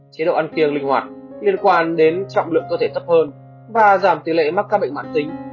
chế độ ăn tiền linh hoạt liên quan đến trọng lượng cơ thể thấp hơn và giảm tỷ lệ mắc các bệnh mạng tính